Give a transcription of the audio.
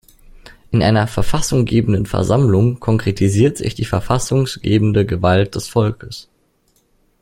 In einer Verfassunggebenden Versammlung konkretisiert sich die verfassunggebende Gewalt des Volkes.